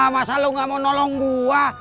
masa lu enggak mau nolong gua